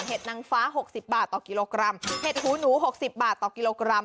เห็ดนางฟ้า๖๐บาทต่อกิโลกรัมเห็ดหูหนู๖๐บาทต่อกิโลกรัม